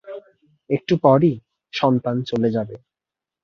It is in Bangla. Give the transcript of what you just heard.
একটু পরই সন্তান চলে যাবে।